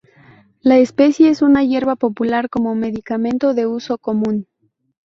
La especie es una hierba popular como medicamento de uso común.